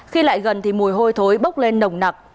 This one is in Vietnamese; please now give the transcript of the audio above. khi lại gần thì mùi hôi thối bốc lên nồng nặc